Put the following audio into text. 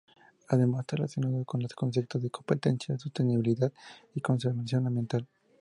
Además, está relacionado con los conceptos de competencia, sostenibilidad y conservación ambiental.